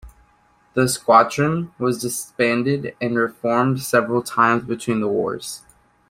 The squadron was disbanded and reformed several times between the wars.